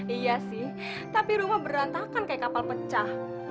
iya sih tapi rumah berantakan kayak kapal pecah